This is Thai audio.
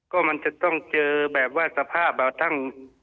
ก็มันจะต้องเจอแบบว่าสภาพแบบทั้ง